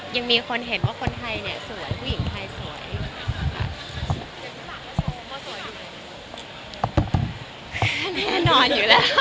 ยังมีคนเห็นว่าคนไทยเนี่ยสวย